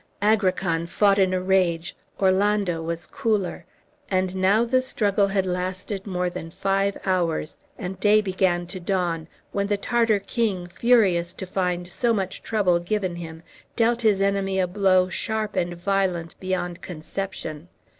Agrican fought in a rage, Orlando was cooler. And now the struggle had lasted more than five hours, and day began to dawn, when the Tartar king, furious to find so much trouble given him, dealt his enemy a blow sharp and violent beyond conception.